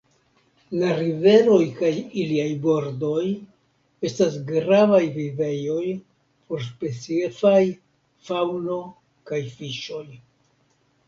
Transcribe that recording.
La riveroj kaj iliaj bordoj estas gravaj vivejoj por specifaj faŭno kaj fiŝoj.